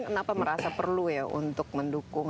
kenapa merasa perlu ya untuk mendukung